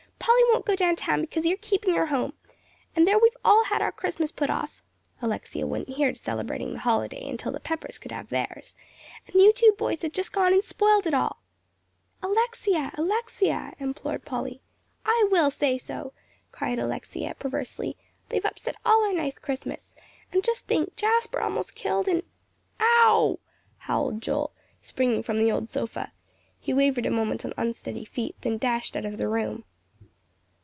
"Polly won't go down town because you're keeping her home. And there we've all had our Christmas put off (Alexia wouldn't hear to celebrating the holiday until the Peppers could have theirs), and you two boys have just gone and spoiled it all." "Alexia Alexia!" implored Polly. "I will say so," cried Alexia, perversely, "they've upset all our nice Christmas; and just think, Jasper almost killed, and " "Ow!" howled Joel, springing from the old sofa. He wavered a moment on unsteady feet, then dashed out of the room.